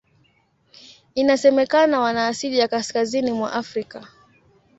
Inasemekana wana asili ya Kaskazini mwa Afrika.